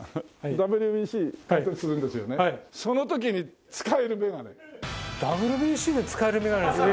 ＷＢＣで使えるメガネですか？